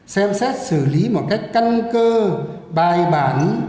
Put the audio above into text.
xem xét xử lý một cách căn cơ bài bản